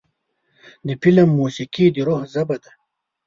د فلم موسیقي د روح ژبه ده.